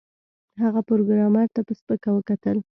هغه پروګرامر ته په سپکه وکتل